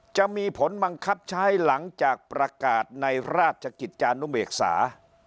จะมีผลบังคับใช้หลังจากประกาศในราชกิจจานุเบกษา